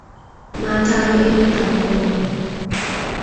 Matawe emet ab Congo